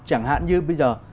chẳng hạn như bây giờ